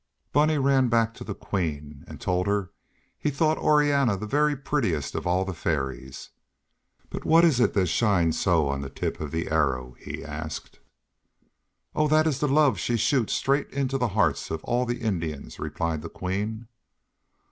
Bunny ran back to the Queen and told her he thought Orianna the very prettiest of all the Fairies. "But what is it that shines so on the tip of the arrow?" she asked. "Oh, that is the love she shoots straight into the hearts of all the Indians," replied the Queen.